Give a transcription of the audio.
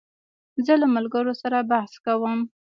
زه له ملګرو سره بحث کوم.